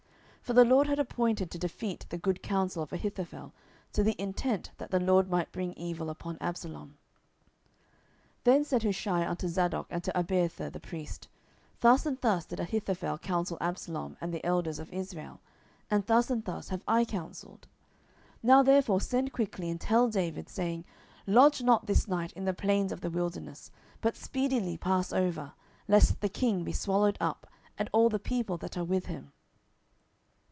For the LORD had appointed to defeat the good counsel of Ahithophel, to the intent that the LORD might bring evil upon Absalom. 10:017:015 Then said Hushai unto Zadok and to Abiathar the priests, Thus and thus did Ahithophel counsel Absalom and the elders of Israel; and thus and thus have I counselled. 10:017:016 Now therefore send quickly, and tell David, saying, Lodge not this night in the plains of the wilderness, but speedily pass over; lest the king be swallowed up, and all the people that are with him.